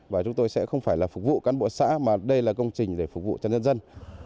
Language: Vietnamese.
và chúng tôi sẽ không phải là phục vụ cán bộ xã mà đây là công trình để phục vụ cho nhân dân